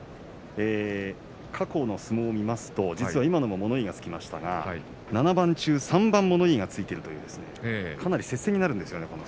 過去の相撲を見ますと実は、今のも物言いがつきましたが７番中３番物言いがついていてかなり接戦になるんですね